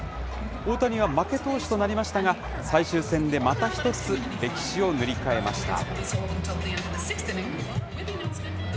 大谷は負け投手となりましたが、最終戦でまた一つ、歴史を塗り替えました。